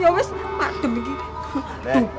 ya pak dem ini